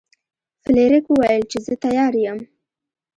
فلیریک وویل چې زه تیار یم.